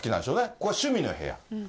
ここは趣味の部屋。